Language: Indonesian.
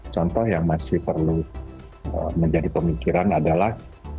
contoh yang masih perlu menjadi pemikiran adalah